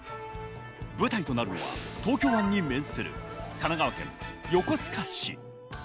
舞台となるのは東京湾に面する神奈川県横須賀市。